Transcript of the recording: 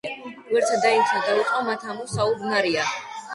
გვერდსა დაისხნა, დაუწყო მათ ამო საუბნარია